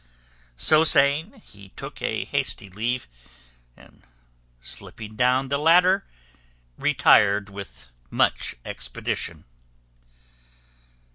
So saying, he took a hasty leave, and, slipping down the ladder, retired with much expedition.